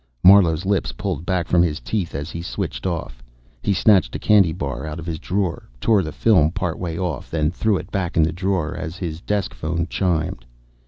Marlowe's lips pulled back from his teeth as he switched off. He snatched a candy bar out of his drawer, tore the film part way off, then threw it back in the drawer as his desk phone chimed.